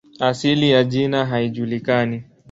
Asili ya jina haijulikani.